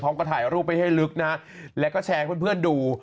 ก็ถ่ายรูปไว้ให้ลึกนะแล้วก็แชร์ให้เพื่อนดู